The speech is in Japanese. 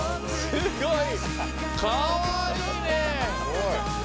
すごい！